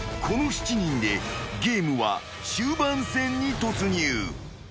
［この７人でゲームは終盤戦に突入］